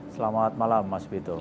selamat malam mas bito